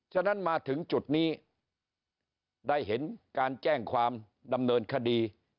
ฉะนั้นมาถึงจุดนี้ได้เห็นการแจ้งความดำเนินคดี